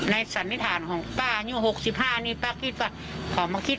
ในสัณภาษณ์ของป้ายู่าหกสิบห้านี่ป้าคิดป้าขอมาคิด